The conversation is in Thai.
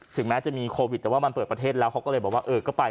แม้จะมีโควิดแต่ว่ามันเปิดประเทศแล้วเขาก็เลยบอกว่าเออก็ไป